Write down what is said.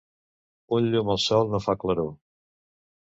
Un llum al sol no fa claror.